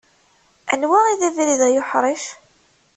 anwa i d abrid ay uḥric?